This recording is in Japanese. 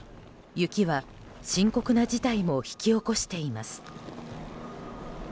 雪は深刻な事態も引き起こしています。